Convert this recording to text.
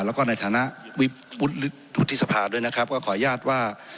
แล้วก็ในฐานะวุฒิสภาด้วยนะครับก็ขออนุญาตว่า